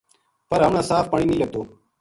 پر ہمنا صاف پانی نیہہ لبھتو